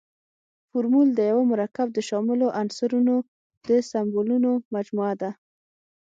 فورمول د یوه مرکب د شاملو عنصرونو د سمبولونو مجموعه ده.